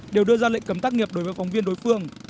đều đưa ra lệnh cấm tác nghiệp đối với phóng viên đối phương